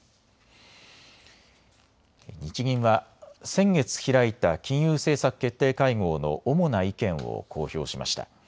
日銀は先月開いた金融政策決定会合の主な意見を公表しました。